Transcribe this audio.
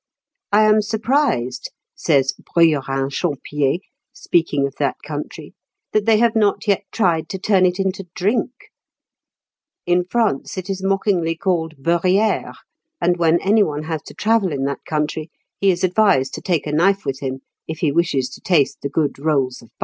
"I am surprised," says Bruyérin Champier, speaking of that country, "that they have not yet tried to turn it into drink; in France it is mockingly called beurrière; and when any one has to travel in that country, he is advised to take a knife with him if he wishes to taste the good rolls of butter."